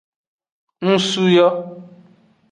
Nusu yo.